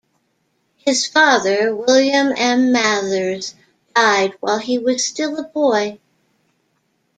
His father, William M. Mathers, died while he was still a boy.